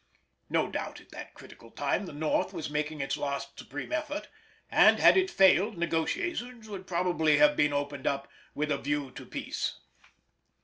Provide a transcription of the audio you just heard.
No doubt at that critical time the North was making its last supreme effort, and, had it failed, negotiations would probably have been opened up with a view to peace.